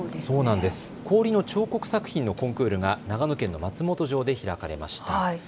氷の彫刻作品のコンクールが長野県の松本城で開かれました。